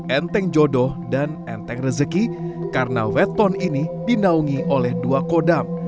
enteng jodoh dan enteng rezeki karena wetton ini dinaungi oleh dua kodam